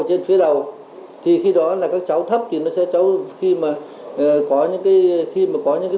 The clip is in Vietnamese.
trên phía đầu thì khi đó là các cháu thấp thì nó sẽ cháu khi mà có những cái khi mà có những cái